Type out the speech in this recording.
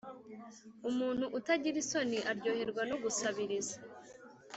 Umuntu utagira isoni aryoherwa no gusabiriza,